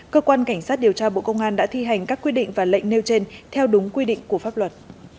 cơ quan cảnh sát điều tra bộ công an đã thi hành các quy định và lệnh nêu trên theo đúng quy định của pháp luật